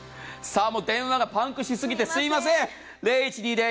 もう電話がパンクしすぎて、すみません。